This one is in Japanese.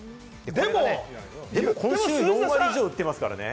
でも今週４割以上打っていますからね。